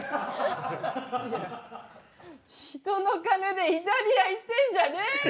いや人の金でイタリア行ってんじゃねえよ！